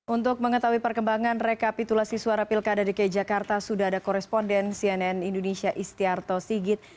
untuk mengetahui perkembangan rekapitulasi suara pilkada dki jakarta sudah ada koresponden cnn indonesia istiarto sigit